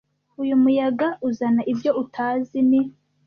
Uyu muyaga uzana ibyo utazi, ni